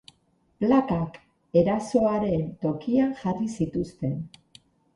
Plakak erasoaren tokian jarri zituzten.